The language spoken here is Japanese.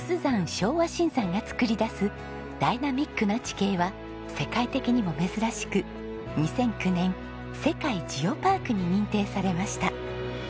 昭和新山が作り出すダイナミックな地形は世界的にも珍しく２００９年世界ジオパークに認定されました。